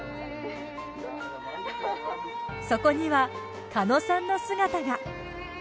そこには鹿野さんの姿が。